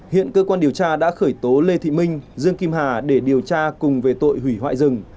hiện cơ quan điều tra đã khởi tố lê thị minh dương kim hà để điều tra cùng về tội hủy hoại rừng